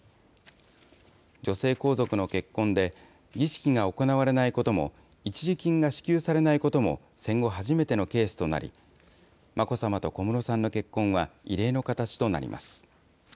女性皇族の結婚で儀式が行われないことも、一時金が支給されないことも戦後初めてのケースとなり、眞子さまと小室さんの結婚は異例の形となります。